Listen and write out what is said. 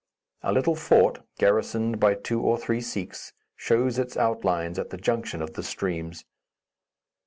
A little fort, garrisoned by two or three Sikhs, shows its outlines at the junction of the streams.